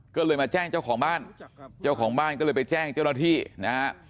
ก็เลยมาแจ้งเจ้าของบ้านเจ้าของบ้านก็เลยไปแจ้งเจ้าหน้าที่นะฮะ